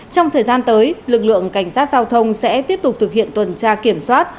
trong thời gian tới lực lượng cảnh sát giao thông sẽ tiếp tục thực hiện tuần tra kiểm soát